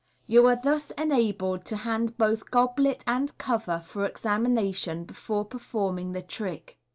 You are thus enabled to hand both goblet and cover for examination before performing the trick.